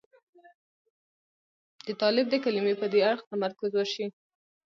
د طالب د کلمې پر دې اړخ تمرکز وشي.